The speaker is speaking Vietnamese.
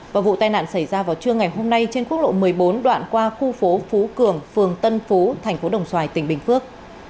và vụ tai nạn xảy ra vào trưa ngày hôm nay trên quốc lộ một mươi bốn đoạn qua khu phố phú cường phường tân phú thành phố đồng xoài tỉnh bình phước